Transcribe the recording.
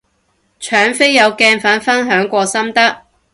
搶飛有鏡粉分享過心得